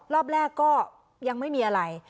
รอบแรกก็ยังไม่มีอะไร